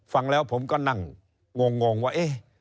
ฟังแล้วผมก็นั่งงงว่าเอ๊ะ